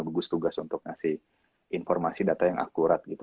gugus tugas untuk ngasih informasi data yang akurat gitu